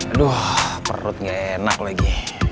aduh perut nggak enak lagi